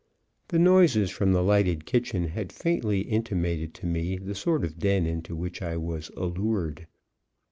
The noises from the lighted kitchen had faintly intimated to me the sort of den into which I was allured.